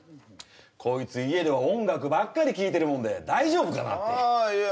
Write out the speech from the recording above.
こいつ家では音楽ばっかり聴いてるもんで大丈夫かなってあいや